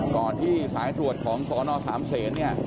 ก่อนที่สายตรวจของสนสามเศษเนี่ย